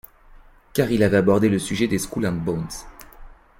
Car il avait abordé le sujet des Skull and Bones.